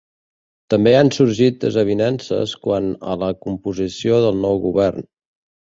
També han sorgit desavinences quant a la composició del nou govern.